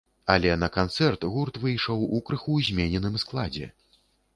Але на канцэрт гурт выйшаў у крыху змененым складзе.